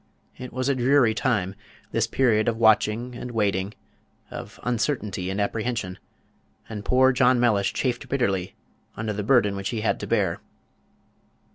It was a dreary time, this period of watching and waiting, of uncertainty and apprehension, and poor John Mellish chafed bitterly under the burden which he had to bear.